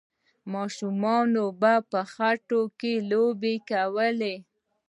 ماشومانو به په خټو کې لوبې کولې.